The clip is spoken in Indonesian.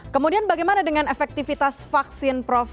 kemudian bagaimana dengan efektivitas vaksin prof